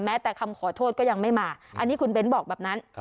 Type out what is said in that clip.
แต่คำขอโทษก็ยังไม่มาอันนี้คุณเบ้นบอกแบบนั้น